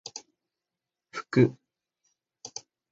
ふく